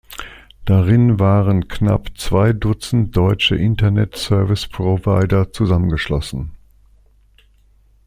Darin waren knapp zwei Dutzend deutsche Internet Service Provider zusammengeschlossen.